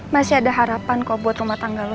masih ada harapan kok buat rumah tangga lo